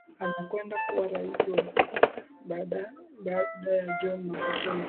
Anakwenda kuwa Rais wa Sita baada ya John Magufuli